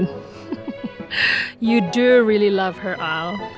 kamu benar benar menyayangi al